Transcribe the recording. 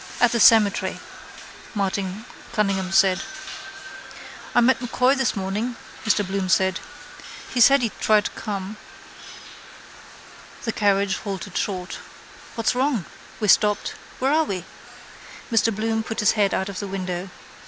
—At the cemetery, Martin Cunningham said. —I met M'Coy this morning, Mr Bloom said. He said he'd try to come. The carriage halted short. —What's wrong? —We're stopped. —Where are we? Mr Bloom put his head out of the window.